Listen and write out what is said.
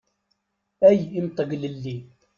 Ay imṭeglelli!